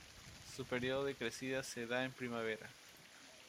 Su período de crecidas se da en primavera.